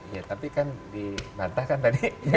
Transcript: ya tapi kan dibantahkan tadi